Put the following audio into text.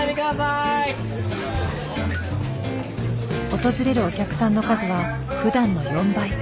訪れるお客さんの数はふだんの４倍。